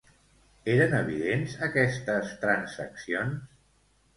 Eren evidents aquestes transaccions?